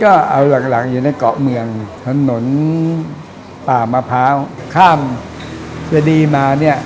ก็เอาหลักอยู่ในเกาะเมืองถนนป่ามะพร้าวข้ามเจดีมาเนี่ย